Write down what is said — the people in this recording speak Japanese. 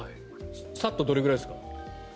さっとどれくらいですか？